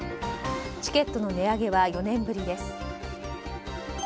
チケットの値上げは４年ぶりです。